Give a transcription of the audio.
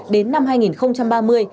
đến năm hai nghìn ba mươi